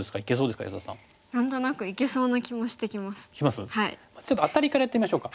まずちょっとアタリからやってみましょうか。